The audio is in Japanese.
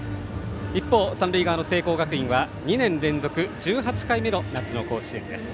一方、三塁側の聖光学院は２年連続１８回目の夏の甲子園。